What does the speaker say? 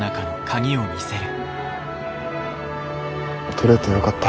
取れてよかった。